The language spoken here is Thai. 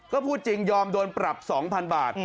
ก็พูดจริงยอมโดนปรับ๒๐๐๐บาท